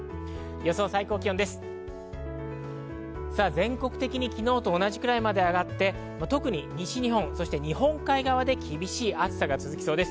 全国的に昨日と同じくらいまで上がって、特に西日本、日本海側で厳しい暑さが続きそうです。